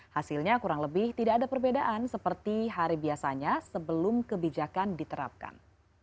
hasilnya kurang lebih tidak ada perbedaan seperti hari biasanya sebelum kebijakan diterapkan